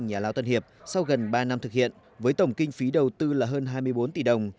nhà lao tân hiệp sau gần ba năm thực hiện với tổng kinh phí đầu tư là hơn hai mươi bốn tỷ đồng